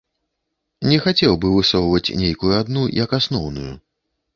Не хацеў бы высоўваць нейкую адну як асноўную.